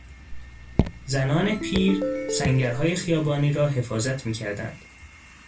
زنان پیر سنگرهای خیابانی را حفاظت میکردند.